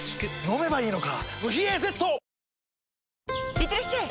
いってらっしゃい！